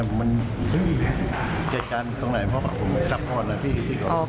ก็มันก็เหตุการณ์ตรงไหนเพราะว่าผมกลับก่อนอ่ะที่ก่อน